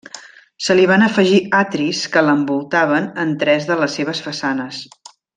Se li van afegir atris que l'envoltaven en tres de les seves façanes.